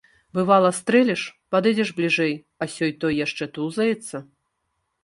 Бывала, стрэліш, падыдзеш бліжэй, а сёй-той яшчэ тузаецца.